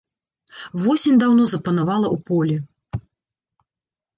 Восень даўно запанавала ў полі.